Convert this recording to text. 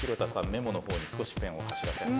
メモの方に少しペンを走らせました。